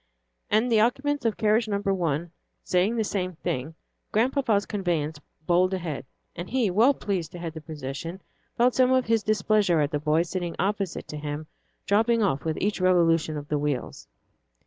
And the occupants of carriage number one saying the same thing, Grandpapa's conveyance bowled ahead; and he, well pleased to head the procession, felt some of his displeasure at the boy sitting opposite to him dropping off with each revolution of the wheels.